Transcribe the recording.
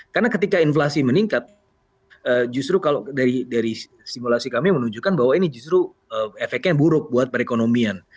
karena ketika inflasi meningkat justru kalau dari simulasi kami menunjukkan bahwa ini justru efeknya buruk buat perekonomian